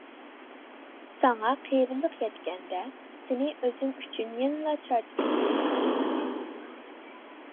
ساڭا قېرىلىق يەتكەندە سېنى ئۆزۈم ئۈچۈن يەنىلا چارچىتىپ يۈردۈم.